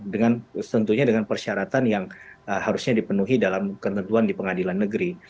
dengan tentunya dengan persyaratan yang harusnya dipenuhi dalam ketentuan di pengadilan negeri